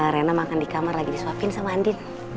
rena makan di kamar lagi disuapin sama andi